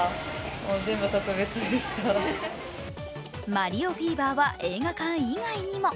マリオフィーバーは映画館以外にも。